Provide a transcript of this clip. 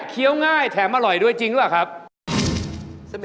ง่ายแถมอร่อยด้วยจริงหรือเปล่าครับ